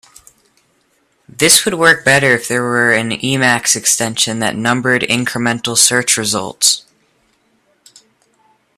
This would work better if there were an Emacs extension that numbered incremental search results.